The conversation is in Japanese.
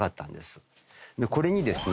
これにですね